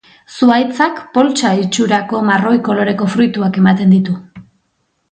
Zuhaitzak, poltsa itxurako marroi koloreko fruituak ematen ditu.